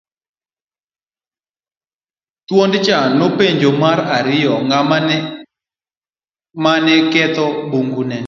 Thuondcha nopenje mar ariyo ng'ama en mane ketho bungu ne.